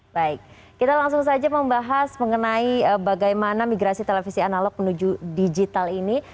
baik kita langsung saja membahas mengenai bagaimana migrasi televisi analog menuju digital ini